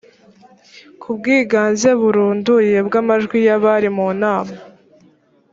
ku bwiganze burunduye bw amajwi y abari mu nama